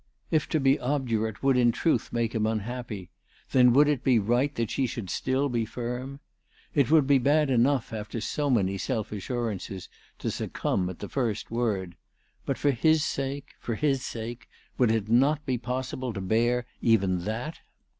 If to be obdurate would in truth make him unhappy, then would it be right that she should still be firm ? It would be bad enough, after so many self assurances, to succumb at the first word ; but for his sake, for his sake, would it not be possible to bear even that